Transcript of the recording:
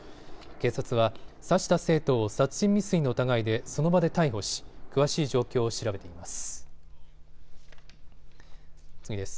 警察は刺した生徒を殺人未遂の疑いでその場で逮捕し詳しい状況を調べています。